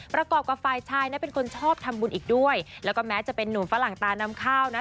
ประกอบกับฝ่ายชายนะเป็นคนชอบทำบุญอีกด้วยแล้วก็แม้จะเป็นนุ่มฝรั่งตานำข้าวนะ